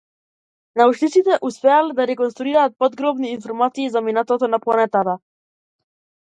Научниците успеале да реконструираат подробни информации за минатото на планетата.